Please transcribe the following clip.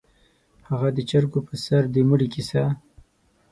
_هغه د چرګو پر سر د مړي کيسه؟